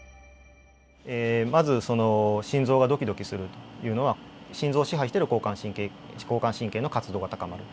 まずその心臓がドキドキするというのは心臓を支配している交感神経の活動が高まる。